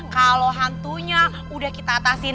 kalo hantunya udah kita atasi